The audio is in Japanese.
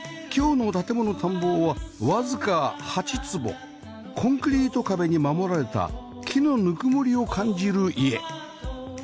今日の『建もの探訪』はわずか８坪コンクリート壁に守られた木のぬくもりを感じる家